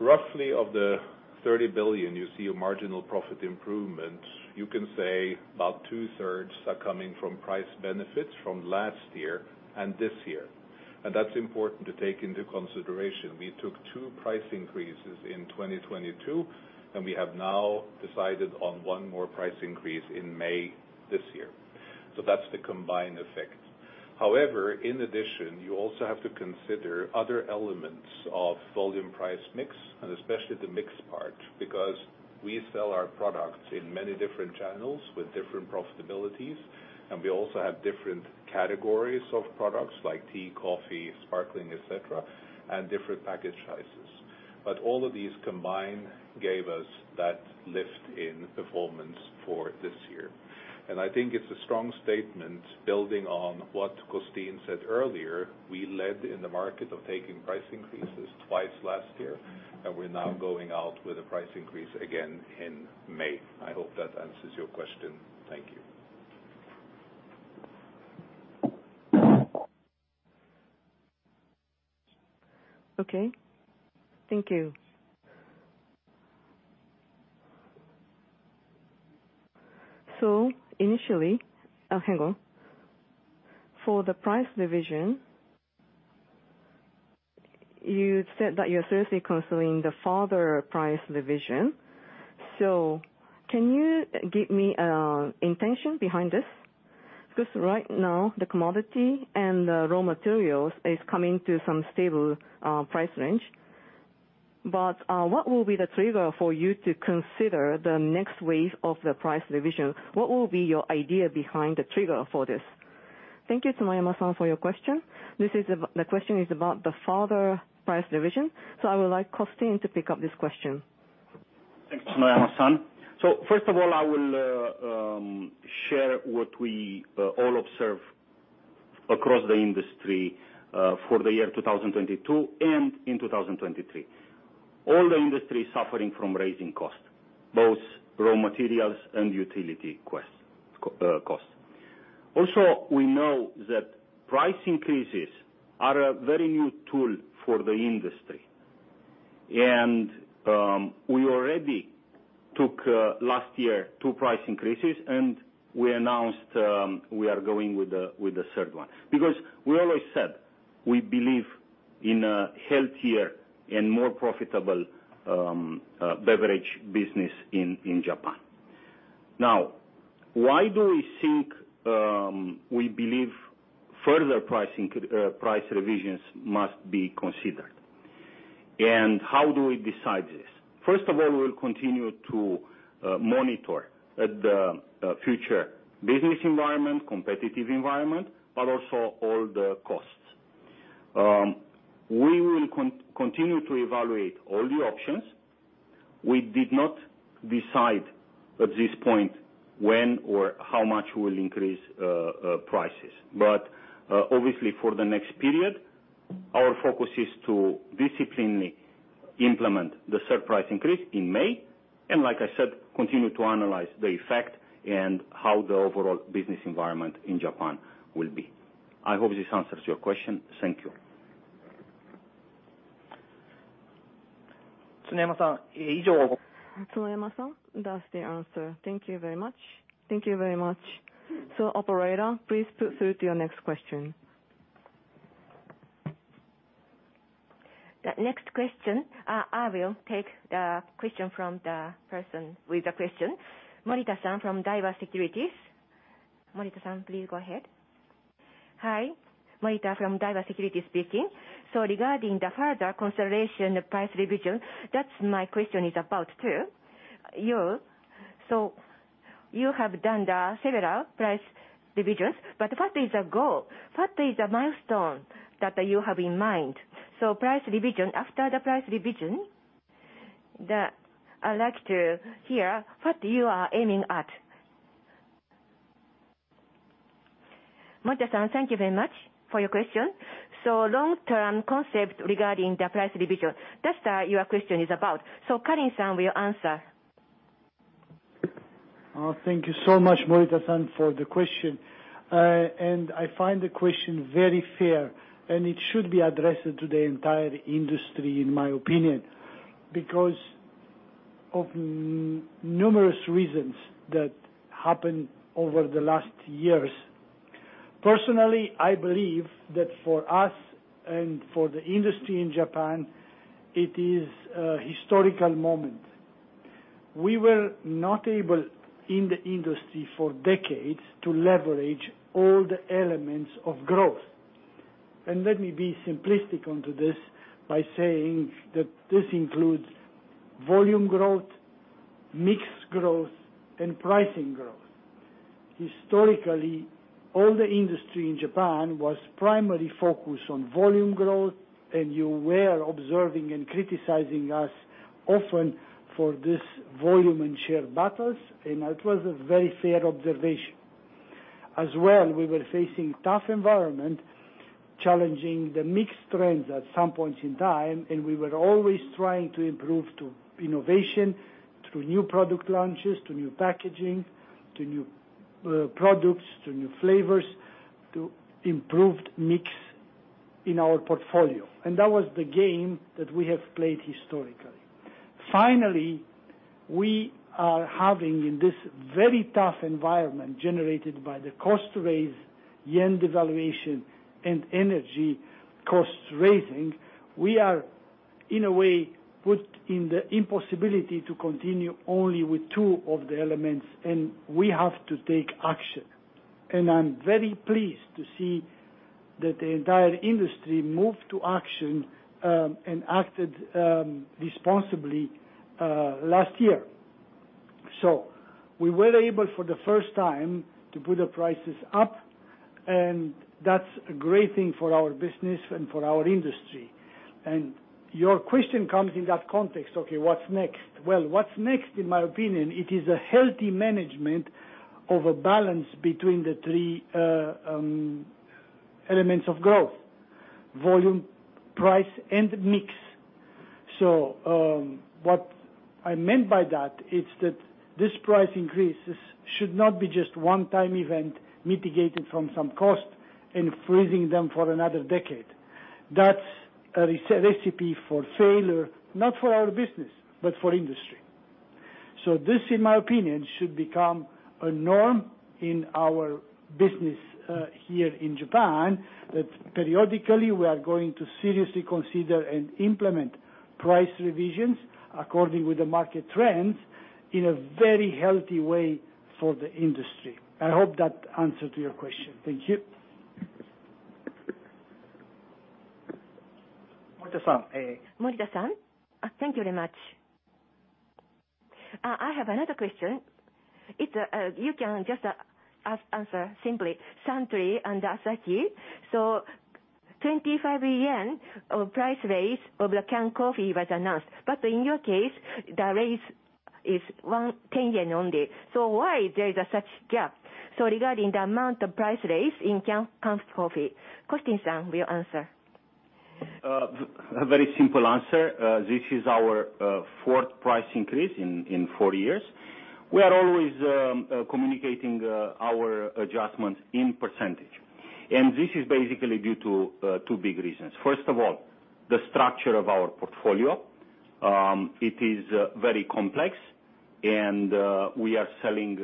Roughly of the 30 billion you see a marginal profit improvement, you can say about two-thirds are coming from price benefits from last year and this year. That's important to take into consideration. We took two price increases in 2022, and we have now decided on one more price increase in May this year. That's the combined effect. In addition, you also have to consider other elements of volume price mix, and especially the mix part, because we sell our products in many different channels with different profitabilities, and we also have different categories of products like tea, coffee, sparkling, et cetera, and different package sizes. All of these combined gave us that lift in performance for this year. I think it's a strong statement building on what Costel said earlier. We led in the market of taking price increases twice last year, and we're now going out with a price increase again in May. I hope that answers your question. Thank you. Okay. Thank you. Initially, hang on. For the price revision, you said that you're seriously considering the further price revision. Can you give me intention behind this? Right now the commodity and raw materials is coming to some stable price range. What will be the trigger for you to consider the next wave of the price revision? What will be your idea behind the trigger for this? Thank you, Tsunayama-san, for your question. This is the question is about the further price revision, I would like Costel to pick up this question. Thanks, Tsunayama-san. First of all, I will share what we all observe across the industry for the year 2022 and in 2023. All the industry is suffering from raising costs, both raw materials and utility costs. We know that price increases are a very new tool for the industry. We already took last year two price increases, and we announced we are going with the third one. We always said we believe in a healthier and more profitable beverage business in Japan. Why do we think we believe further pricing price revisions must be considered? How do we decide this? First of all, we'll continue to monitor at the future business environment, competitive environment, but also all the costs. We will continue to evaluate all the options. We did not decide at this point when or how much we'll increase prices. Obviously for the next period, our focus is to disciplinedly implement the third price increase in May, and like I said, continue to analyze the effect and how the overall business environment in Japan will be. I hope this answers your question. Thank you. Tsunoyama-san Tsunoyama-san, that's the answer. Thank you very much. Operator, please put through to your next question. The next question, I will take the question from the person with the question. Morita-san from Daiwa Securities. Morita-san, please go ahead. Hi. Morita from Daiwa Securities speaking. Regarding the further consideration of price revision, that's my question is about too. You have done the several price revisions, but what is the goal? What is the milestone that you have in mind? Price revision, after the price revision, I'd like to hear what you are aiming at. Morita-san, thank you very much for your question. long-term concept regarding the price revision, that's your question is about. Karim-san will answer. Thank you so much, Morita-san, for the question. I find the question very fair, and it should be addressed to the entire industry in my opinion. Because of numerous reasons that happened over the last years. Personally, I believe that for us and for the industry in Japan, it is a historical moment. We were not able, in the industry for decades, to leverage all the elements of growth. Let me be simplistic onto this by saying that this includes volume growth, mix growth, and pricing growth. Historically, all the industry in Japan was primarily focused on volume growth, and you were observing and criticizing us often for this volume and share battles, and it was a very fair observation. As well, we were facing tough environment, challenging the mixed trends at some points in time, and we were always trying to improve through innovation, through new product launches, to new packaging, to new products, to new flavors, to improved mix in our portfolio, and that was the game that we have played historically. Finally, we are having, in this very tough environment generated by the cost raise, yen devaluation, and energy costs raising, we are, in a way, put in the impossibility to continue only with two of the elements, and we have to take action. I'm very pleased to see that the entire industry moved to action and acted responsibly last year. We were able, for the first time, to put the prices up, and that's a great thing for our business and for our industry. Your question comes in that context. Okay, what's next? Well, what's next, in my opinion, it is a healthy management of a balance between the three elements of growth: volume, price, and mix. What I meant by that, it's that this price increases should not be just one-time event mitigated from some cost and freezing them for another decade. That's a recipe for failure, not for our business, but for industry. This, in my opinion, should become a norm in our business, here in Japan, that periodically we are going to seriously consider and implement price revisions according with the market trends in a very healthy way for the industry. I hope that answered your question. Thank you. Morita-san. Morita-san, thank you very much. I have another question. It's, you can just answer simply Suntory and Asahi. 25 yen of price raise of the canned coffee was announced, but in your case, the raise is 10 yen only. Why there is such gap? Regarding the amount of price raise in canned coffee. Costel-san will answer. A very simple answer. This is our fourth price increase in four years. We are always communicating our adjustments in percentage. This is basically due to two big reasons. First of all, the structure of our portfolio. It is very complex and we are selling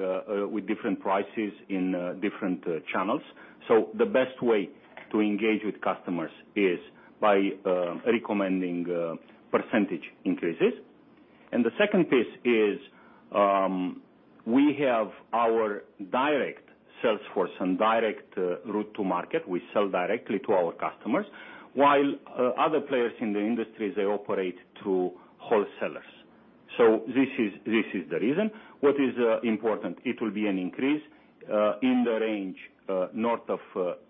with different prices in different channels. The best way to engage with customers is by recommending percentage increases. The second piece is, we have our direct sales force and direct route to market. We sell directly to our customers while other players in the industry, they operate through wholesalers. This is the reason. What is important, it will be an increase in the range north of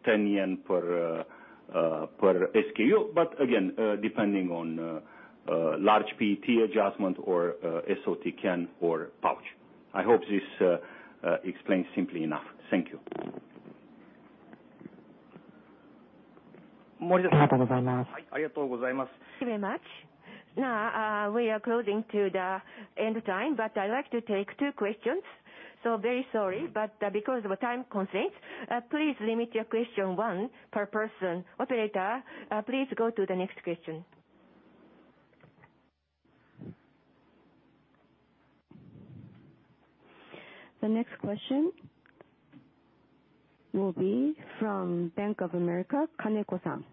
10 yen per per SKU, but again, depending on large PET adjustment or SOT can or pouch. I hope this explains simply enough. Thank you. Thank you very much. We are closing to the end time, but I'd like to take two questions. Very sorry, but, because of a time constraint, please limit your question one per person. Operator, please go to the next question. The next question will be from Bank of America, Kaneko-san.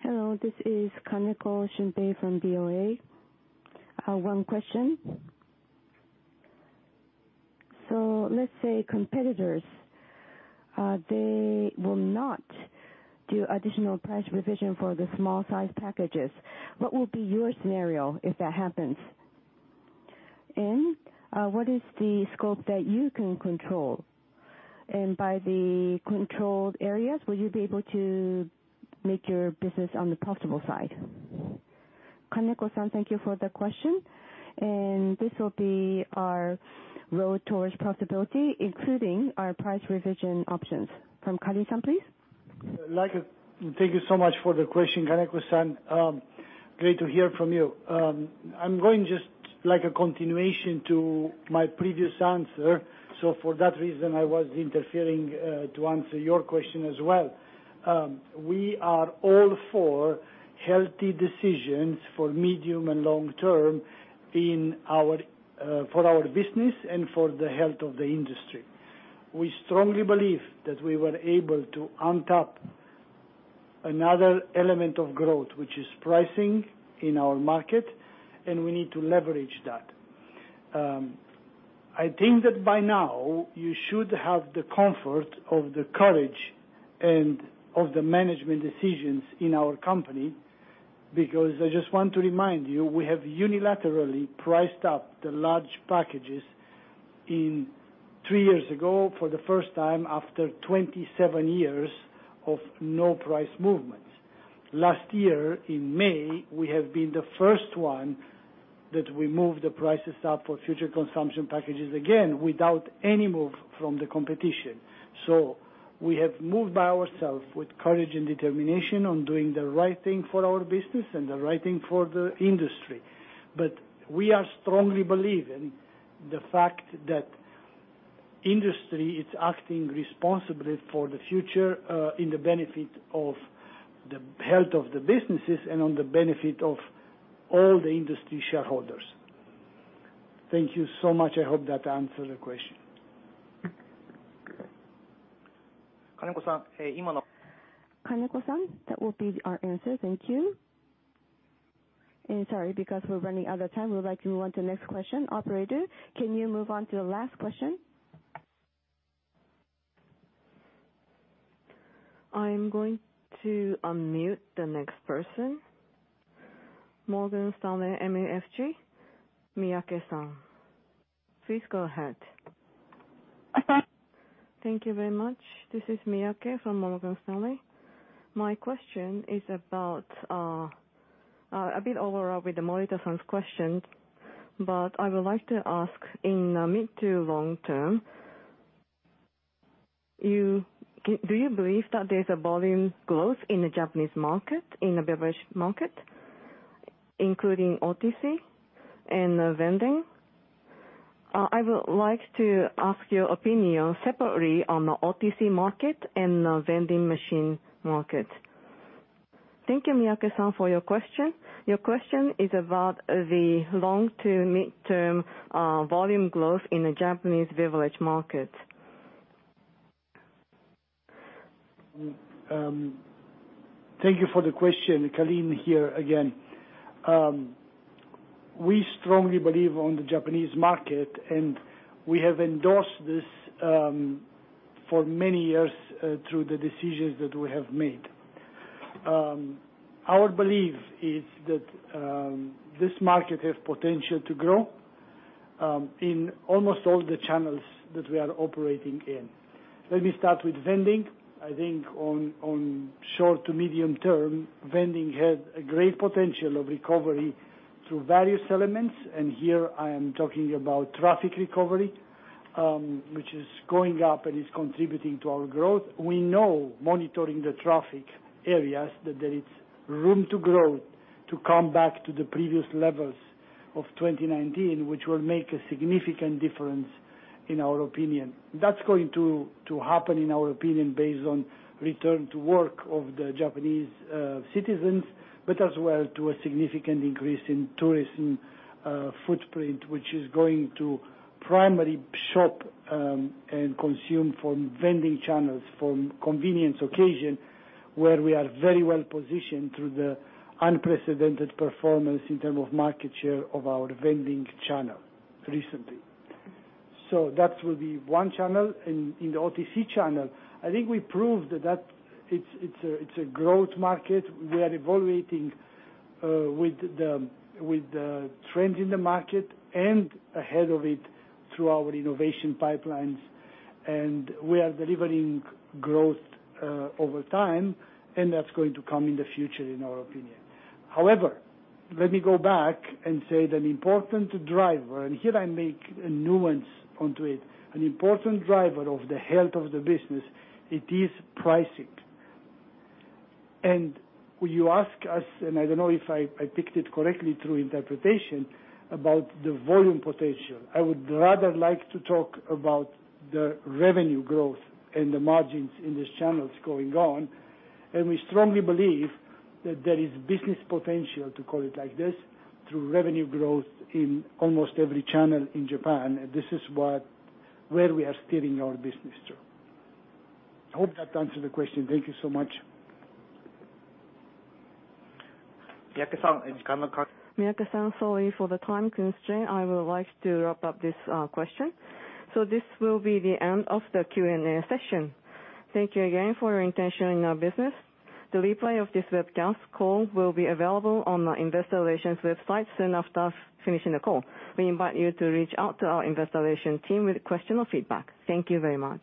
Hello, this is Kaneko Shumpei from BOA. I have one question. Let's say competitors, they will not do additional price revision for the small-size packages. What will be your scenario if that happens? What is the scope that you can control? By the controlled areas, will you be able to make your business on the profitable side? Kaneko-san, thank you for the question. This will be our road towards profitability, including our price revision options. From Kali-san, please. Like, thank you so much for the question, Kaneko-san. Great to hear from you. I'm going just like a continuation to my previous answer. For that reason, I was interfering, to answer your question as well. We are all for healthy decisions for medium and long-term in our, for our business and for the health of the industry. We strongly believe that we were able to untap another element of growth, which is pricing in our market, and we need to leverage that. I think that by now you should have the comfort of the courage and of the management decisions in our company. Because I just want to remind you, we have unilaterally priced up the large packages in 3 years ago for the first time after 27 years of no price movements. Last year, in May, we have been the first one that we moved the prices up for future consumption packages again, without any move from the competition. We have moved by ourselves with courage and determination on doing the right thing for our business and the right thing for the industry. We are strongly believe in the fact that industry is acting responsibly for the future, in the benefit of the health of the businesses and on the benefit of all the industry shareholders. Thank you so much. I hope that answered the question. That will be our answer. Thank you. Sorry, because we're running out of time, we would like to move on to the next question. Operator, can you move on to the last question? I am going to unmute the next person. Morgan Stanley, MUFG, Miyake-san. Please go ahead. Thank you very much. This is Miyake from Morgan Stanley. My question is about a bit overlap with Morita-san's questions, but I would like to ask in the mid to long term, do you believe that there's a volume growth in the Japanese market, in the beverage market, including OTC and vending? I would like to ask your opinion separately on the OTC market and the vending machine market. Thank you, Miyake-san, for your question. Your question is about the long-term, mid-term, volume growth in the Japanese beverage market. Thank you for the question. Calin here again. We strongly believe on the Japanese market, and we have endorsed this for many years, through the decisions that we have made. Our belief is that this market has potential to grow in almost all the channels that we are operating in. Let me start with vending. I think on short to medium term, vending has a great potential of recovery through various elements, and here I am talking about traffic recovery, which is going up and is contributing to our growth. We know monitoring the traffic areas, that there is room to grow to come back to the previous levels of 2019, which will make a significant difference in our opinion. That's going to happen, in our opinion, based on return to work of the Japanese citizens, but as well to a significant increase in tourism footprint, which is going to primarily shop and consume from vending channels from convenience occasion, where we are very well-positioned through the unprecedented performance in term of market share of our vending channel recently. That will be one channel. In the OTC channel, I think we proved that it's a growth market. We are evaluating with the trends in the market and ahead of it through our innovation pipelines, and we are delivering growth over time, and that's going to come in the future, in our opinion. However, let me go back and say that important driver, and here I make a nuance onto it, an important driver of the health of the business, it is pricing. You ask us, and I don't know if I picked it correctly through interpretation, about the volume potential. I would rather like to talk about the revenue growth and the margins in these channels going on. We strongly believe that there is business potential, to call it like this, through revenue growth in almost every channel in Japan. This is what, where we are steering our business to. I hope that answered the question. Thank you so much. Miyake-san Miyake-san, sorry for the time constraint. I would like to wrap up this question. This will be the end of the Q&A session. Thank you again for your intention in our business. The replay of this webcast call will be available on the investor relations website soon after finishing the call. We invite you to reach out to our investor relation team with question or feedback. Thank you very much.